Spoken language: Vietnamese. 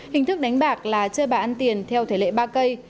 hình thức đánh bạc là chơi bạc ăn tiền theo thể lệ ba cây